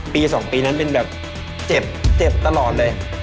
ปี๒ปีนั้นเป็นแบบเจ็บเจ็บตลอดเลย